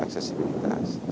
aksesibilitas adalah selanjutnya